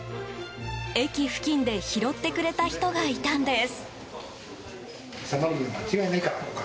駅付近で拾ってくれた人がいたんです。